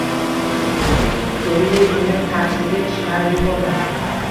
to‘yi kuni taksiga chiqarib yuborgan